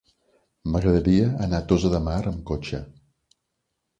M'agradaria anar a Tossa de Mar amb cotxe.